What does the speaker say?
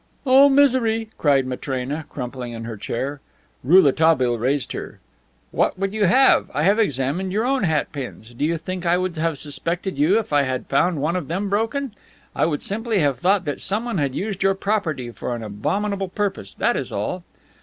"O misery!" cried Matrena, crumpling in her chair. Rouletabille raised her. "What would you have? I have examined your own hat pins. Do you think I would have suspected you if I had found one of them broken? I would simply have thought that someone had used your property for an abominable purpose, that is all."